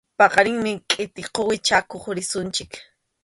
Paqarinmi kʼita quwi chakuq risunchik.